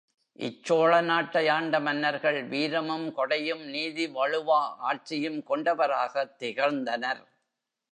இச் சோழநாட்டை ஆண்ட மன்னர்கள் வீரமும், கொடையும், நீதி வழுவா ஆட்சியும் கொண்டவராகத் திகழ்ந்தனர்.